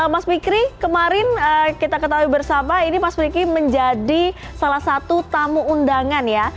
mas fikri kemarin kita ketahui bersama ini mas fikri menjadi salah satu tamu undangan ya